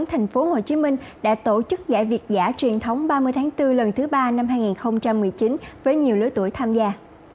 thành phố hồ chí minh đã tổ chức giải việt giả truyền thống ba mươi tháng bốn lần thứ ba năm hai nghìn một mươi chín với nhiều lứa tuổi tham gia